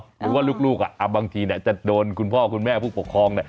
หรือว่าลูกบางทีจะโดนคุณพ่อคุณแม่ผู้ปกครอง